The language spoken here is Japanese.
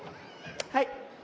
はい。